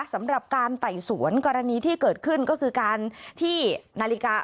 สำหรับการไต่สวนกรณีที่เกิดขึ้นก็คือการที่นาฬิกา